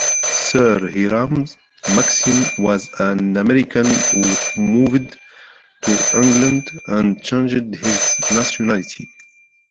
Sir Hiram Maxim was an American who moved to England and changed his nationality.